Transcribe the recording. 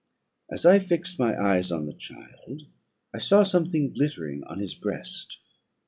"As I fixed my eyes on the child, I saw something glittering on his breast.